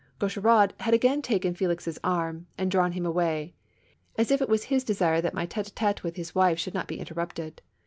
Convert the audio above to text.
Gaucheraud had again taken Felix's arm and drawn him aw^ay, as if it was his desire that my tete a tete with his wife should not be interrupted.